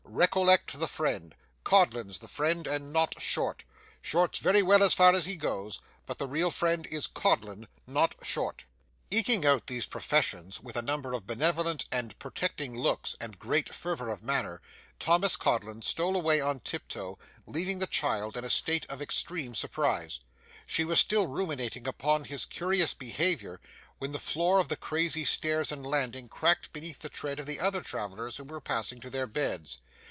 Recollect the friend. Codlin's the friend, not Short. Short's very well as far as he goes, but the real friend is Codlin not Short.' Eking out these professions with a number of benevolent and protecting looks and great fervour of manner, Thomas Codlin stole away on tiptoe, leaving the child in a state of extreme surprise. She was still ruminating upon his curious behaviour, when the floor of the crazy stairs and landing cracked beneath the tread of the other travellers who were passing to their beds.